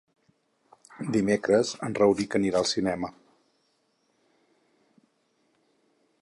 Dimecres en Rauric anirà al cinema.